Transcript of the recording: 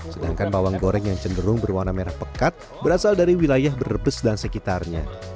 sedangkan bawang goreng yang cenderung berwarna merah pekat berasal dari wilayah brebes dan sekitarnya